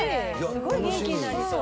すごい元気になりそう。